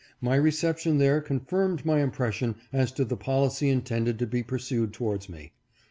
My reception there confirmed my im pression as to the policy intended to be pursued towards me.